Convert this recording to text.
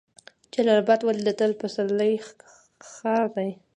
جلال اباد ولې د تل پسرلي ښار دی؟